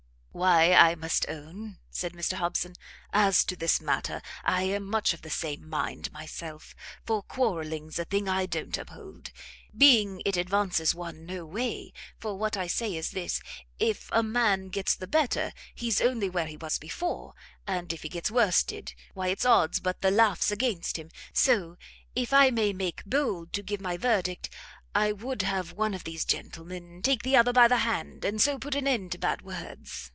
"Why I must own," said Mr Hobson, "as to this matter I am much of the same mind myself; for quarreling's a thing I don't uphold; being it advances one no way; for what I say is this, if a man gets the better, he's only where he was before, and if he gets worsted, why it's odds but the laugh's against him: so, if I may make bold to give my verdict, I would have one of these gentlemen take the other by the hand, and so put an end to bad words.